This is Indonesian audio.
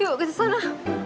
yuk ke sana